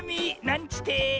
なんちて。